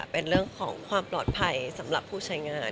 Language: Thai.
เป็นเรื่องของความปลอดภัยสำหรับผู้ใช้งาน